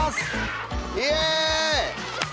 イエイ！